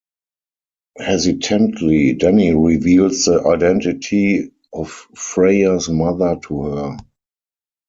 Hesitantly, Danny reveals the identity of Freya's mother to her.